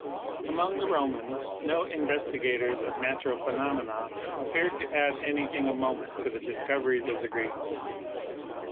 Among the Romans no investigators of natural phe nomena appeared to add anything of moment to the dis coveries of the Greeks.